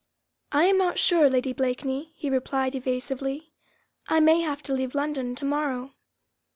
"I am not sure, Lady Blakeney," he replied evasively. "I may have to leave London to morrow."